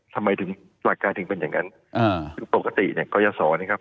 ทำไมถึงหลักการถึงเป็นอย่างงั้นเอ่อปกติเนี้ยก็จะสอนนะครับ